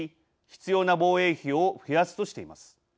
必要な防衛費を増やすとしています。